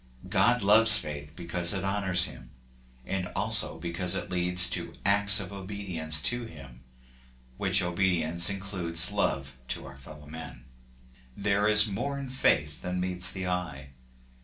God loves faith because it honors him, and also because it leads to acts of obedience to him, which obedience includes love to our fellow men. There 40 According to the Promise. is more in faith than meets the eye.